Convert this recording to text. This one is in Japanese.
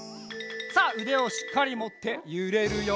さあうでをしっかりもってゆれるよ。